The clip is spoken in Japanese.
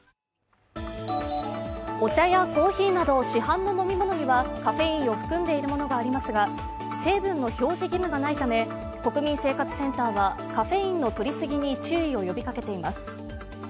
お茶やコーヒーなど市販の飲み物にはカフェインを含んでいるものがありますが、成分の表示義務がないため、国民生活センターはカフェインの取り過ぎに注意を呼びかけています。